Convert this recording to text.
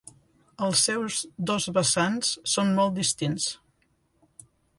Els seus dos vessants són molt distints.